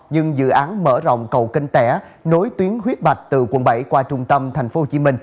nhưng dự án mở rộng cầu kênh tẻ nối tuyến huyết mạch từ quận bảy qua trung tâm tp hcm